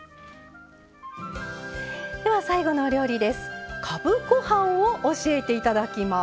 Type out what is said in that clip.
では最後のお料理です。